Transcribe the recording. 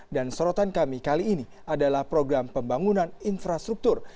dan sorotan kami kali ini adalah program pembangunan infrastruktur